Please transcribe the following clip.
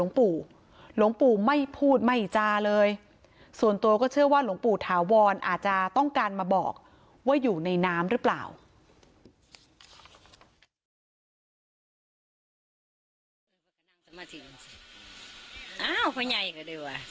กษัตริย์ถึงต่อพระเจ้าจะต้องสนุกสู่ชีวิตของพระเจ้าโดยมนุษย์และประเทศน้ำละกดอ่าวผ่านไอฟื้น